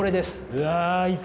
うわいた。